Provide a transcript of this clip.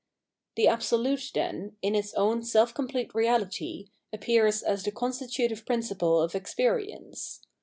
The Absolute, then, in its own ^self compIete reality appears as the constitutive principle of experience.